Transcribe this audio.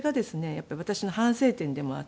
やっぱり私の反省点でもあって。